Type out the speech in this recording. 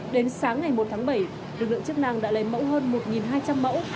đến sáng ngày một tháng bảy lực lượng chức năng đã lấy mẫu hơn một hai trăm linh mẫu